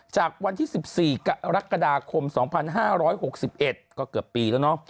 จากวันที่๑๔กรกฎาคม๒๕๖๑ก็เกือบปีแล้วเนาะ